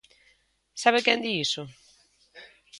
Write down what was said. ¿Sabe quen di iso?